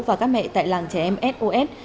và các mẹ tại làng trẻ em sos